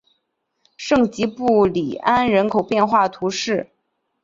圣吉布里安人口变化图示